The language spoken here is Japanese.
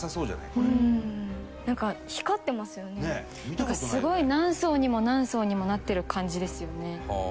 すごい何層にも何層にもなってる感じですよね。